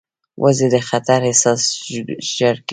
وزې د خطر احساس ژر کوي